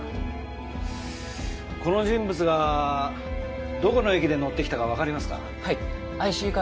この人物がどこの駅で乗ってきたかわかりますか？